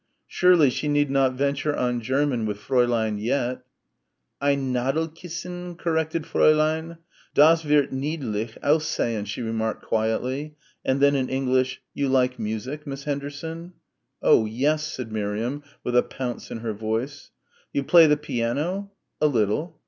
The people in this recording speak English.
Surely she need not venture on German with Fräulein yet. "Ein Nadelkissen," corrected Fräulein, "das wird niedlich aussehen," she remarked quietly, and then in English, "You like music, Miss Henderson?" "Oh, yes," said Miriam, with a pounce in her voice. "You play the piano?" "A little."